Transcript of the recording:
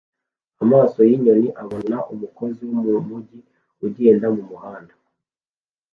Amaso yinyoni abona umukozi wo mumujyi ugenda mumuhanda